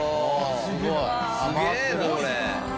うわすげえなこれ！